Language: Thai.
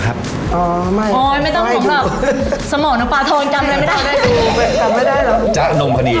กลับมารั่งปะนี่